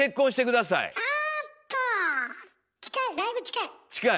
だいぶ近い！